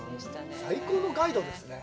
最高のガイドですね。